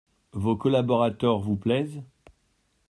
Vos collaborateurs vous plaisent ?